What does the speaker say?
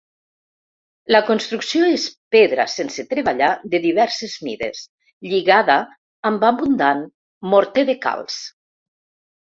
La construcció és pedra sense treballar de diverses mides, lligada amb abundant morter de calç.